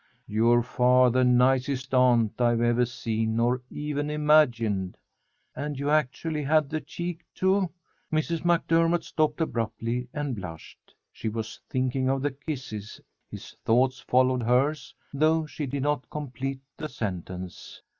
"You're far the nicest aunt I've ever seen or even imagined." "And you actually had the cheek to " Mrs. MacDermott stopped abruptly and blushed. She was thinking of the kisses. His thoughts followed hers, though she did not complete the sentence.